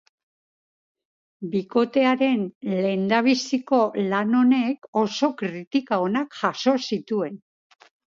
Bikotearen lehendabiziko lan honek oso kritika onak jaso zituen.